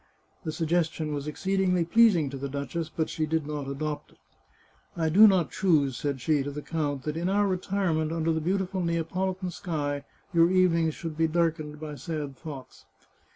The suggestion was exceedingly pleasing to the duchess, but she did not adopt it. " I do not choose," said she to the count, " that in our retirement under the beautiful Neapolitan sky your evenings should be darkened by sad thoughts."